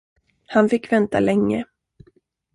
Han fick vänta länge.